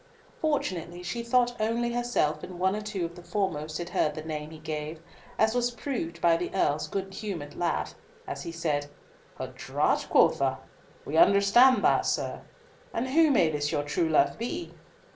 Fortunately she thought only herself and one or two of the foremost had heard the name he gave, as was proved by the Earl's good humoured laugh, as he said, "A draught, quotha? We understand that, young sir. And who may this your true love be?"